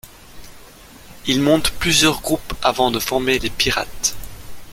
Il monte plusieurs groupes avant de former les Pirates.